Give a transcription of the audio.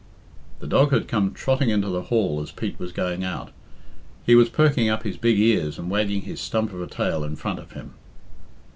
The dog had came trotting into the hall as Pete was going out. He was perking up his big ears and wagging his stump of a tail in front of him.